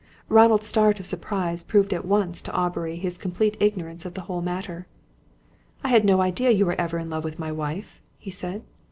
Ronald's start of surprise proved at once to Aubrey his complete ignorance of the whole matter. "I had no idea you were ever in love with my wife," he said.